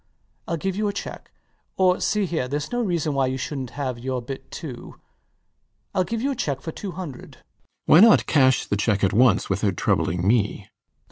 I'll give you a cheque or see here: theres no reason why you shouldnt have your bit too: I'll give you a cheque for two hundred. RIDGEON. Why not cash the cheque at once without troubling me?